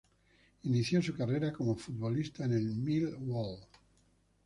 Inició su carrera como futbolista en el Millwall.